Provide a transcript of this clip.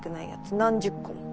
何十個も。